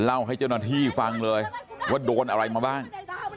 เล่าให้เจ้าหน้าที่ฟังเลยว่าโดนอะไรมาบ้าง